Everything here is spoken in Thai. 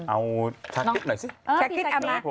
เอาชาคริสหน่อยสิ